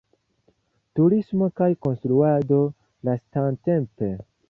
Turismo kaj konstruado lastatempe.